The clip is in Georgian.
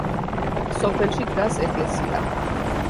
სოფელში დგას ეკლესია.